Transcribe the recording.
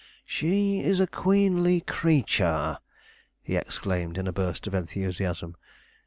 "She is a queenly creature!" he exclaimed in a burst of enthusiasm.